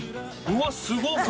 うわっすごい！